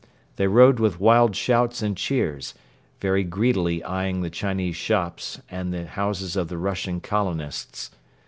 They rode with wild shouts and cheers, very greedily eyeing the Chinese shops and the houses of the Russian colonists.